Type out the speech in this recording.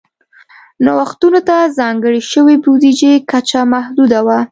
نوښتونو ته ځانګړې شوې بودیجې کچه محدوده وه.